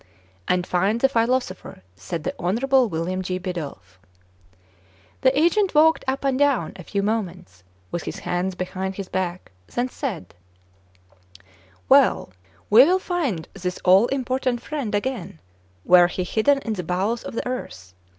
"And find the philosopher," said the Honorable William J. Bidulph. The agent walked up and down a few moments, with his hands behind his back, then said, —• "Well, we will find this all important friend again were he hidden in the bowels of the earth.